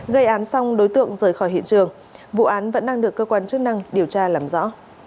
gây án xong đối tượng rời khỏi hiện trường vụ án vẫn đang được cơ quan chức năng điều tra làm rõ